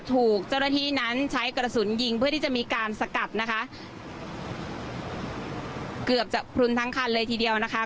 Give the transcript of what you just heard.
ถูกเจ้าหน้าที่นั้นใช้กระสุนยิงเพื่อที่จะมีการสกัดนะคะเกือบจะพลุนทั้งคันเลยทีเดียวนะคะ